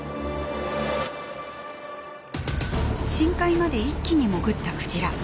深海まで一気に潜ったクジラ。